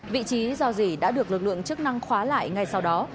vị trí do gì đã được lực lượng chức năng khóa lại ngay sau đó